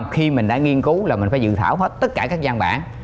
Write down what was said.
khi mình đã nghiên cứu là mình phải dự thảo hết tất cả các gian bản